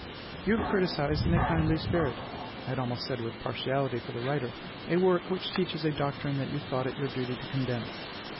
You have criticised in a kindly spirit I had almost said with partiality for the writer a work which teaches a doctrine that you thought it your duty to condemn.